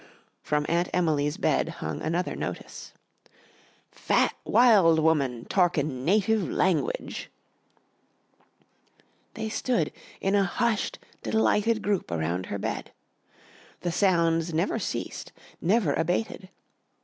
From Aunt Emily's bed hung another notice: ++| FAT WILD WOMAN || TORKIN NATIF || LANGWIDGE |++ They stood in a hushed, delighted group around her bed. The sounds never ceased, never abated.